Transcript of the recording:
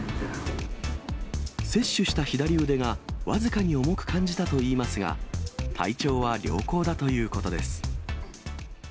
接種した左腕が僅かに重く感じたといいますが、体調は良好だということです。